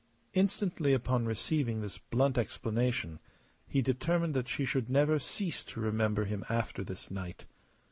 Instantly, upon receiving this blunt explanation, he determined that she should never cease to remember him after this night.